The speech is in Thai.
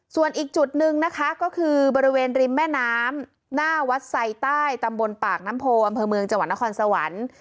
ส่วนอีกจุดหนึ่งนะคะก็คือบริเวณริมแม่น้ำหน้าวัดไซใต้ตำบลปากน้ำโพอำเภอเมืองจังหวัดนครสวรรค์